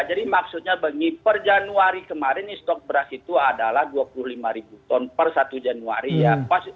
jadi maksudnya per januari kemarin stok beras itu adalah dua puluh lima ton per satu januari ya